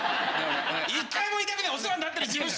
１回も言いたくないお世話になってる事務所。